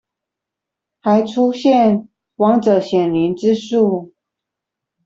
還出現亡者顯靈之術